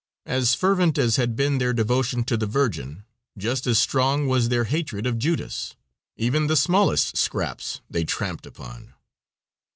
As fervent as had been their devotion to the Virgin, just as strong was their hatred of Judas even the smallest scraps they tramped upon.